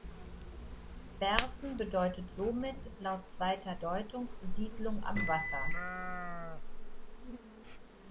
Berßen bedeutet somit, laut zweiter Deutung, "Siedlung am Wasser".